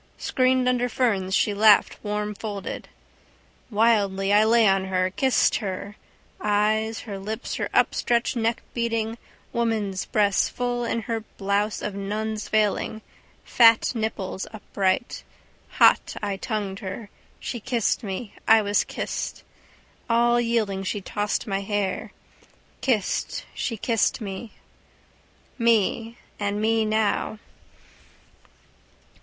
Screened under ferns she laughed warmfolded. Wildly I lay on her, kissed her: eyes, her lips, her stretched neck beating, woman's breasts full in her blouse of nun's veiling, fat nipples upright. Hot I tongued her. She kissed me. I was kissed. All yielding she tossed my hair. Kissed, she kissed me. Me. And me now.